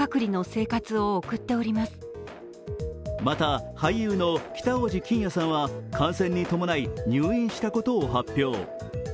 また、俳優の北大路欣也さんは感染に伴い入院したことを発表。